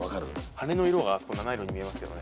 羽の色があそこ七色に見えますけどね。